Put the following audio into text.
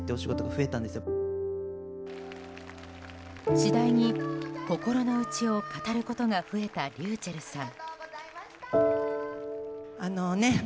次第に心の内を語ることが増えたｒｙｕｃｈｅｌｌさん。